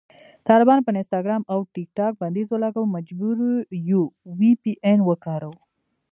طالبانو په انسټاګرام او ټیکټاک بندیز ولګاوو، مجبور یو وي پي این وکاروو